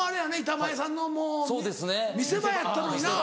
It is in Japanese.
板前さんの見せ場やったのにな。